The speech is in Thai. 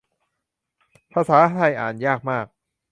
ภาษาไทยอ่านยากมาก